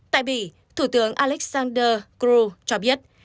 tại bỉ thủ tướng alexander krull cho biết